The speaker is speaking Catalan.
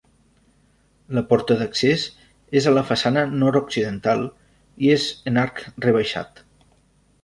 La porta d'accés és a la façana nord-occidental, i és en arc rebaixat.